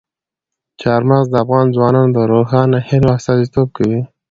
چار مغز د افغان ځوانانو د روښانه هیلو استازیتوب کوي.